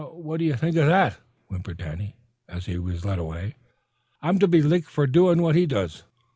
"Now, what do you think of that?" whimpered Danny, as he was led away. "I'm to be licked fer doin' what he does.